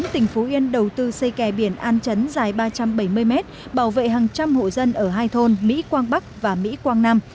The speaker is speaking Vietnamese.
tỉnh phú yên đầu tư xây kè biển an chấn dài ba trăm bảy mươi mét bảo vệ hàng trăm hộ dân ở hai thôn mỹ quang bắc và mỹ quang nam